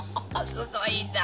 すごいな。